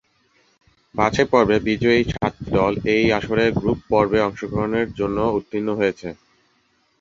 বাছাইপর্বে বিজয়ী সাতটি দল এই আসরের গ্রুপ পর্বে অংশগ্রহণের জন্য উত্তীর্ণ হয়েছে।